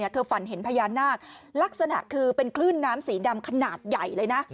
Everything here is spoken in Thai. ฝันเห็นพญานาคลักษณะคือเป็นคลื่นน้ำสีดำขนาดใหญ่เลยนะ